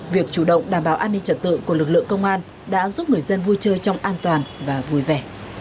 việc chủ động đảm bảo an ninh trật tự của lực lượng công an đã giúp người dân vui chơi trong an toàn và vui vẻ